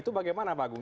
itu bagaimana pak agung